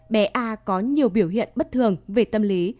bé a có nhiều biểu hiện bất thường về tâm lý